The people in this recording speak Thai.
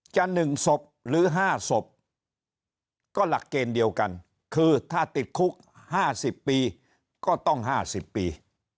๑ศพหรือ๕ศพก็หลักเกณฑ์เดียวกันคือถ้าติดคุก๕๐ปีก็ต้อง๕๐ปี